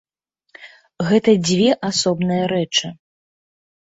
Гэта дзве асобныя рэчы.